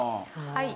はい。